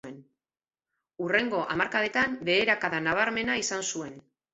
Hurrengo hamarkadetan beherakada nabarmena izan zuen.